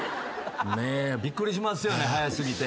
びっくりしますよね早過ぎて。